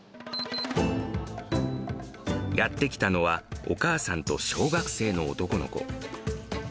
やって来たのは、お母さんと小学生の男の子。